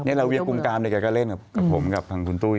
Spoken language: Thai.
นี่ละเวียงกุมกามเขาเล่นกับผมแบบคุณตู้ย